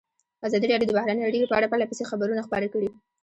ازادي راډیو د بهرنۍ اړیکې په اړه پرله پسې خبرونه خپاره کړي.